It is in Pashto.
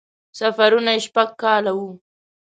سفرونه یې شپږ کاله وو.